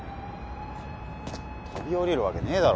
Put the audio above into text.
飛び降りるわけねえだろ